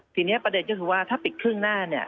ทีนี้ประเด็นก็คือว่าถ้าปิดครึ่งหน้าเนี่ย